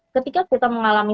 ketika kita mengalami